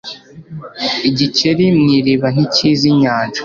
igikeri mu iriba ntikizi inyanja